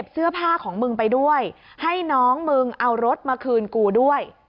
เสื้อผ้าของมึงไปด้วยให้น้องมึงเอารถมาคืนกูด้วย